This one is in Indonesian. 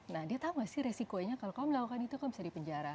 nah dia tahu tidak sih resikonya kalau melakukan itu bisa dipenjara